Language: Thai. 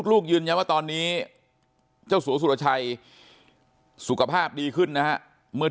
ลูกยืนยันว่าตอนนี้เจ้าสัวสุรชัยสุขภาพดีขึ้นนะฮะเมื่อ